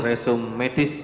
resum medis ya